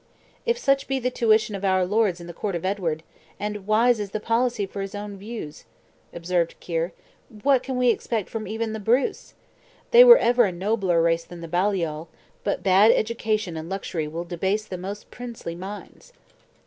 "If such be the tuition of our lords in the court of Edward and wise is the policy for his own views!" observed Ker, "what can we expect from even the Bruce? They were ever a nobler race than the Baliol; but bad education and luxury will debase the most princely minds."